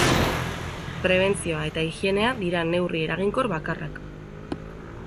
Prebentzioa eta higienea dira neurri eraginkor bakarrak.